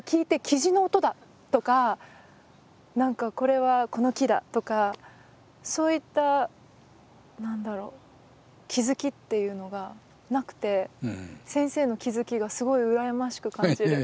「キジの音だ」とか何か「これはこの木だ」とかそういった何だろう気付きっていうのがなくて先生の気付きがすごい羨ましく感じる。